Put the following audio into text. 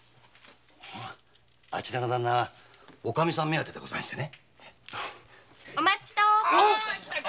あちらの旦那はおかみさん目当てでござんしてね。